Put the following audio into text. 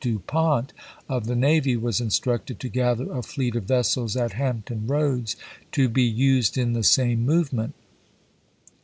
Du Pont, of the navy, was instructed to gather a fleet of vessels at Hampton Roads to be HATTEEAS AND POET EOYAL 15 used in the same movement.